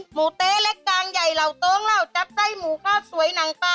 เต๊เล็กกางใหญ่เหล่าโต้งเหล่าจับไส้หมูข้าวสวยหนังปลา